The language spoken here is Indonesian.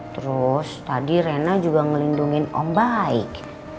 terus tadi rena juga melindungi om baik